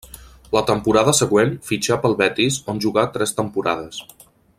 La temporada següent fitxà pel Betis on jugà tres temporades.